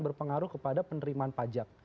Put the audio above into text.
berpengaruh kepada penerimaan pajak